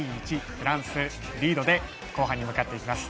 フランスリードで後半に向かっていきます。